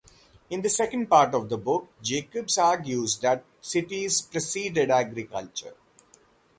In the second part of the book Jacobs argues that cities preceded agriculture.